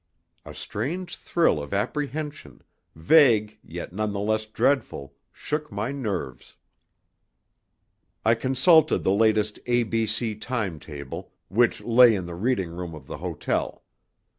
A strange thrill of apprehension, vague, yet none the less dreadful, shook my nerves. I consulted the latest A.B.C. time table, which lay in the reading room of the hotel.